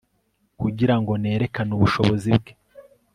kugira ngo yerekane ubushobozi bwe